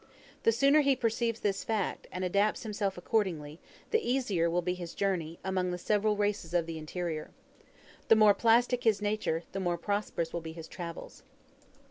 The sooner he perceives this fact, and adapts himself accordingly, the easier will be his journey among the several races of the interior. The more plastic his nature, the more prosperous will be his travels.